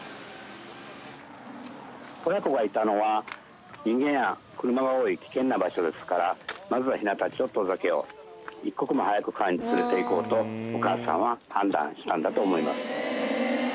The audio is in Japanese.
親子がいたのは、人間や車が多い危険な場所ですから、まずはヒナたちを遠ざけよう、一刻も早く川に連れていこうと、お母さんは判断したんだと思いま